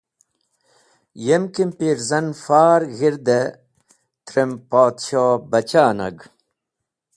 Yem kimpirzan far g̃hirde trem Podshohbachah nag.